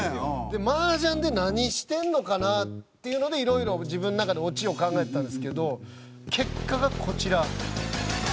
麻雀で何してるのかなっていうのでいろいろ自分の中でオチを考えてたんですけど結果がこちら。